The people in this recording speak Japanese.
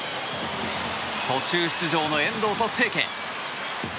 途中出場の遠藤と清家。